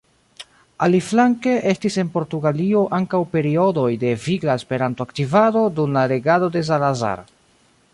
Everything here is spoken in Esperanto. Aliflanke estis en Portugalio ankaŭ periodoj de vigla Esperanto-aktivado dum la regado de Salazar.